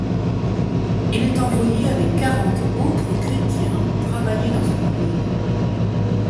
Il est envoyé avec quarante autres chrétiens travailler dans une mine.